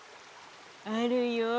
あるよ。